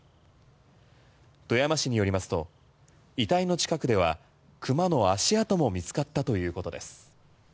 富山市によりますと遺体の近くではクマの足跡も見つかったということです。